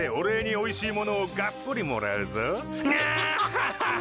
ハハハ。